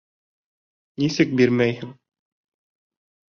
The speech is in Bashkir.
Нисек бирмәйһең?